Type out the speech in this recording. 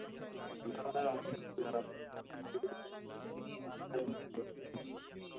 ভারতের অংশের প্রযোজনা প্রতিষ্ঠান আগেই ঘোষণা দিয়েছিল সরস্বতী পূজায় মুক্তি দেবে ছবিটি।